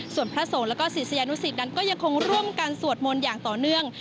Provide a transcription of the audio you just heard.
ส่วนพระสงฆ์แล้วก็ศิษยานุสิตนั้นก็ยังคงร่วมกันสวดมนต์อย่างต่อเนื่อง